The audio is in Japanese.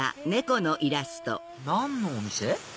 何のお店？